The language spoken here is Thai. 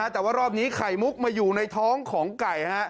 แต่ว่ารอบนี้ไข่มุกมาอยู่ในท้องของไก่